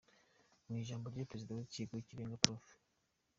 Mu ijambo rye, Perezida w’Urukiko rw’Ikirenga, Prof.